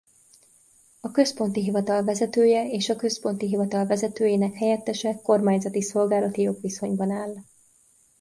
A központi hivatal vezetője és a központi hivatal vezetőjének helyettese kormányzati szolgálati jogviszonyban áll.